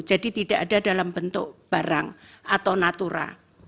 jadi tidak ada dalam bentuk barang atau natura